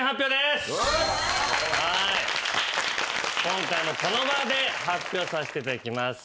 今回もこの場で発表させていただきます。